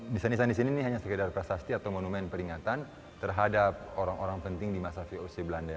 desain desain di sini ini hanya sekedar prasasti atau monumen peringatan terhadap orang orang penting di masa voc belanda